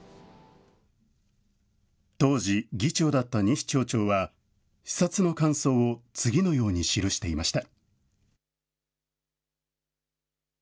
当時、議長だった西町長は、視察の感想を次のように記していました。